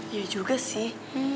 iya juga sih